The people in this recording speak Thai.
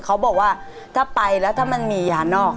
เขาบอกว่าถ้าไปแล้วถ้ามันมียานอก